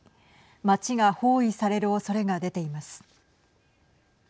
町が包囲されるおそれが出ています。